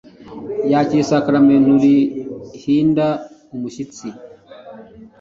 yakiriye isakramentu rihinda umushyitsi